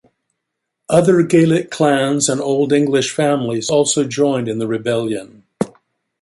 Other Gaelic clans and Old English families also joined in the rebellion.